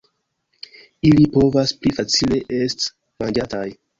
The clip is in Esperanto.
Ili povas pli facile est manĝataj.